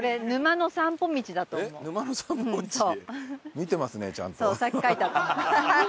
見てますねちゃんと。